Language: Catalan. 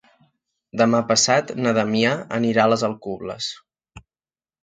Demà passat na Damià anirà a les Alcubles.